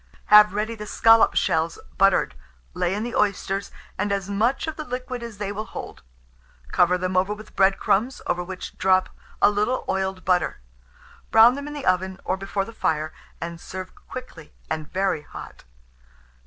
Have ready the scallop shells buttered; lay in the oysters, and as much of the liquid as they will hold; cover them over with bread crumbs, over which drop a little oiled butter. Brown them in the oven, or before the fire, and serve quickly, and very hot.